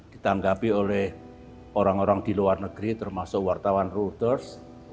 ditanggapi oleh orang orang di luar negeri termasuk wartawan routers